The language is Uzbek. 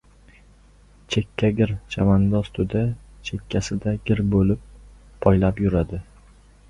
Chekkagir chavandoz to‘da chekkasida gir bo‘lib poylab yuradi!